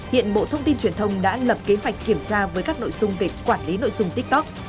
hiện bộ thông tin truyền thông đã lập kế hoạch kiểm tra với các nội dung về quản lý nội dung tiktok